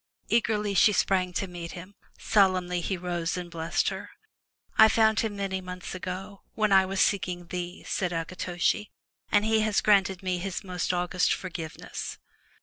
Eagerly she sprang to meet him; solemnly he rose and blessed her. " I found him many months ago, when I was seeking thee,'' said Akitoshi, "and he has granted me his most august forgiveness."